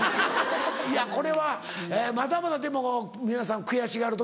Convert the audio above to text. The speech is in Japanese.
いやこれはまだまだでも皆さん悔しがる時。